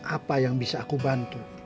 apa yang bisa aku bantu